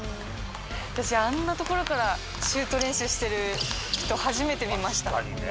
私、あんな所からシュート練習してる人、初めて見ました。